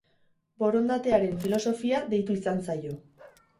Borondatearen filosofia deitu izan zaio.